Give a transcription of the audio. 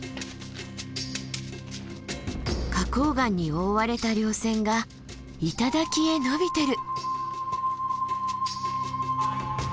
花崗岩に覆われた稜線が頂へ延びてる。